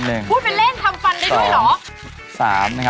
พูดเป็นเล่นทำฟันได้ด้วยเหรอ